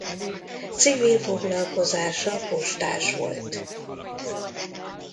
Civil foglalkozása postás volt.